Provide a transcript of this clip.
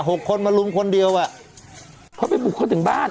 คนมาลุมคนเดียวอ่ะเขาไปบุกเขาถึงบ้าน